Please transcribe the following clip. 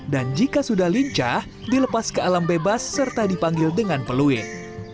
dan jika sudah lincah dilepas ke alam bebas serta dipanggil dengan peluit